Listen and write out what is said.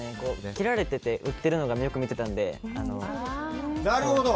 切られてて売ってるのをよく見てたので。